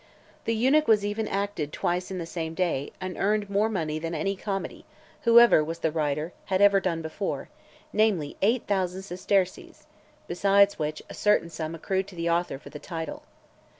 The Eunuch was even acted twice the same day , and earned more money than any comedy, whoever was the writer, had (533) ever done before, namely, eight thousand sesterces ; besides which, a certain sum accrued to the author for the title.